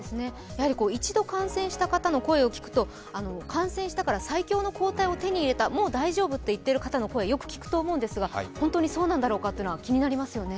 一度感染した方の声を聞くと、感染したから最強の抗体を手にした、もう大丈夫と言っている方の声よく聞くんですが本当にそうなんだろうかというのは気になりますよね。